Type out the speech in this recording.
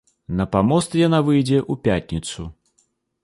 На памост яна выйдзе ў пятніцу.